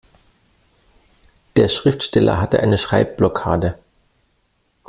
Der Schriftsteller hatte eine Schreibblockade.